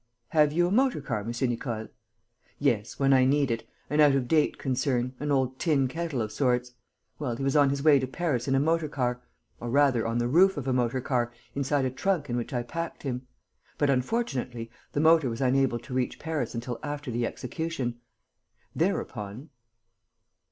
"Have you a motor car, M. Nicole?" "Yes, when I need it: an out of date concern, an old tin kettle of sorts. Well, he was on his way to Paris in a motor car, or rather on the roof of a motor car, inside a trunk in which I packed him. But, unfortunately, the motor was unable to reach Paris until after the execution. Thereupon...."